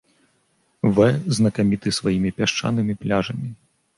Вэ знакаміты сваімі пясчанымі пляжамі.